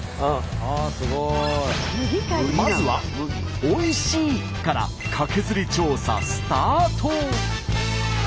まずは「おいしい」からカケズリ調査スタート。